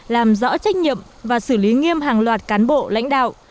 làm rõ trách nhiệm và xử lý nghiêm hàng loạt cán bộ lãnh đạo